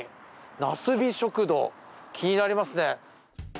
なすび食堂気になりますね。